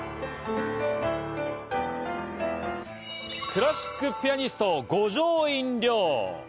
クラシックピアニスト・五条院凌。